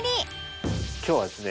今日はですね